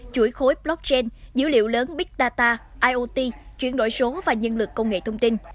chuỗi khối blockchain dữ liệu lớn big data iot chuyển đổi số và nhân lực công nghệ thông tin